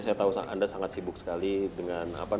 saya tahu anda sangat sibuk sekali dengan apa